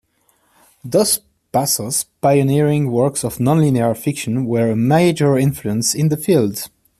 Dos Passos' pioneering works of nonlinear fiction were a major influence in the field.